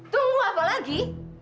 tunggu apa lagi